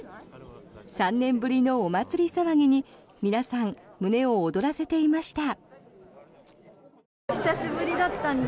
３年ぶりのお祭り騒ぎに皆さん、胸を躍らせていました。